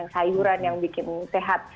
sayuran yang bikin sehat